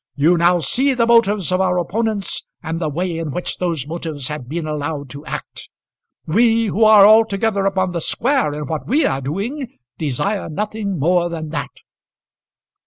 You now see the motives of our opponents, and the way in which those motives have been allowed to act. We, who are altogether upon the square in what we are doing, desire nothing more than that."